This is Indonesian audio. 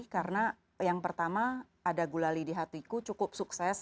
karena yang pertama ada gulali di hatiku cukup sukses